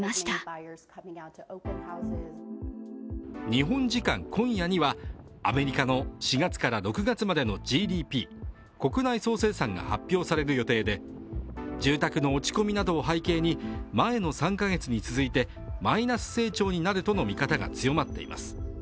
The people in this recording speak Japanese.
日本時間今夜にはアメリカの４月から６月までのＧＤＰ＝国内総生産が発表される予定で住宅の落ち込みなどを背景に前の３カ月に続いてマイナス成長になるとの見方が強まっています。